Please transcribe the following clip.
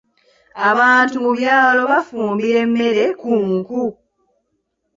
Abantu mu byalo bafumbira emmere ku nku.